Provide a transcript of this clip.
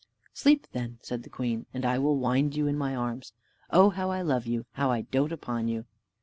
"Sleep, then," said the queen, "and I will wind you in my arms. O how I love you! how I dote upon you!"